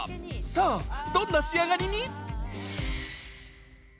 どんな仕上がりに？